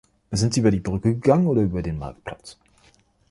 Sind Sie über die Brücke gegangen oder über den Marktplatz?